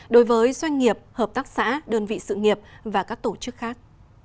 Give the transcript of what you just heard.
đối với doanh nghiệp hợp tác xã đơn vị sự nghiệp và các tổ chức khác